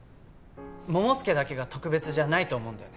桃介だけが特別じゃないと思うんだよね。